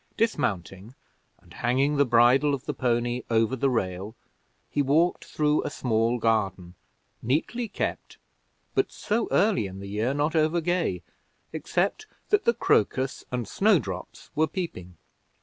Dismounting, and hanging the bridle of the pony over the rail, he walked through a small garden, neatly kept, but, so early in the year, not over gay, except that the crocus and snowdrops were peeping.